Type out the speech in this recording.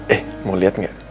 eh mau liat gak